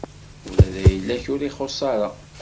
Ula d ayla-k ur ixuṣṣ ara.